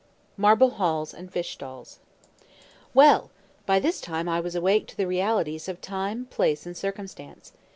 MARBLE HALLS AND FISH STALLS. Well! by this time I was awake to the realities of time, place, and circumstance.